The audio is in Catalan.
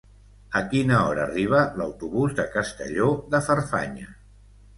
A quina hora arriba l'autobús de Castelló de Farfanya?